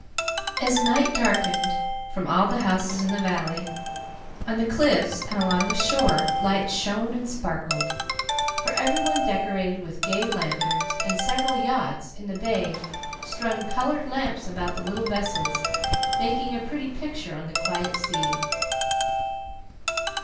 As night darkened from all the houses in the valley, on the cliffs and along the shore lights shone and sparkled; for every one decorated with gay lanterns, and several yachts in the bay strung colored lamps about the little vessels, making a pretty picture on the quiet sea.